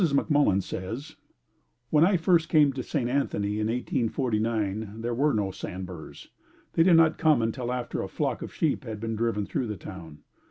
McMullen says: When I first came to St. Anthony in 1849, there were no sandburrs. They did not come until after a flock of sheep had been driven through the town.